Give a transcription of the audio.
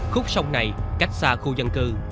khúc sông này cách xa khu dân cư